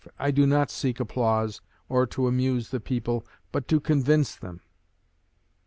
I do not seek applause, or to amuse the people, but to convince them.'